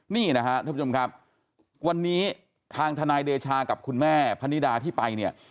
นี่นะครับท่านผู้ชมครับวันนี้ทางทนายเดชากับคุณแม่พนิดาที่ไปเนี่ย